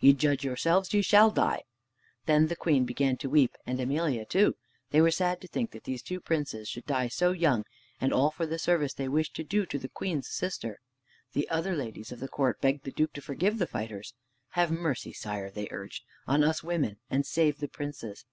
"Ye judge yourselves. Ye shall die." Then the queen began to weep, and Emelia too. They were sad to think that these two princes should die so young, and all for the service they wished to do to the queen's sister. The other ladies of the court begged the Duke to forgive the fighters. "Have mercy, sire," they urged, "on us women, and save the princes!"